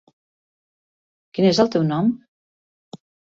Quin és el teu nom?